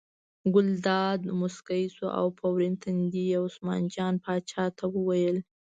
ګلداد موسکی شو او په ورین تندي یې عثمان جان پاچا ته وویل.